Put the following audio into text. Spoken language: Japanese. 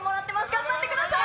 頑張ってください。